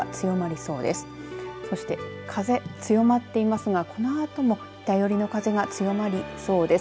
そして風、強まっていますがこのあとも北寄りの風が強まりそうです。